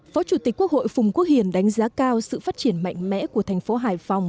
phó chủ tịch quốc hội phùng quốc hiền đánh giá cao sự phát triển mạnh mẽ của thành phố hải phòng